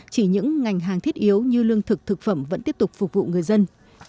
chỉ những ngành hàng thiết yếu như lương thực thực phẩm vẫn tiếp tục phục vụ người dân